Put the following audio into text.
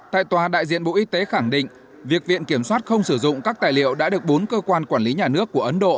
tại tòa đại diện bộ y tế khẳng định việc viện kiểm soát không sử dụng các tài liệu đã được bốn cơ quan quản lý nhà nước của ấn độ